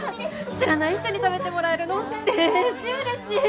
知らない人に食べてもらえるのでーじうれしい。